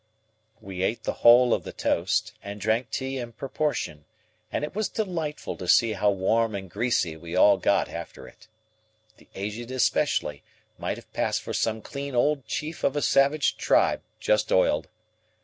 We ate the whole of the toast, and drank tea in proportion, and it was delightful to see how warm and greasy we all got after it. The Aged especially, might have passed for some clean old chief of a savage tribe, just oiled.